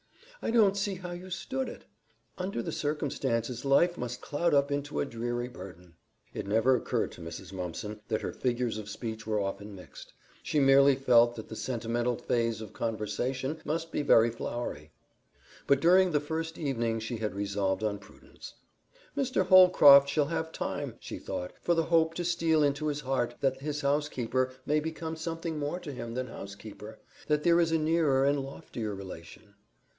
I don't see how you stood it. Under such circumstances life must cloud up into a dreary burden." It never occurred to Mrs. Mumpson that her figures of speech were often mixed. She merely felt that the sentimental phase of conversation must be very flowery. But during the first evening she had resolved on prudence. "Mr. Holcroft shall have time," she thought, "for the hope to steal into his heart that his housekeeper may become something more to him than housekeeper that there is a nearer and loftier relation."